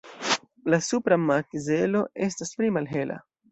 La supra makzelo estas pli malhela.